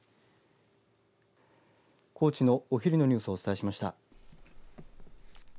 高知のお昼のニュースをお伝えしました。